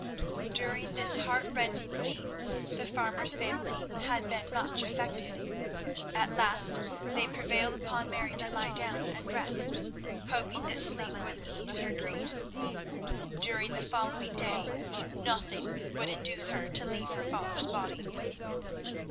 During this heart rending scene the farmer's family had been much affected. At last they prevailed upon Mary to lie down and rest, hoping that sleep would ease her grief. During the following day nothing would induce her to leave her father's body.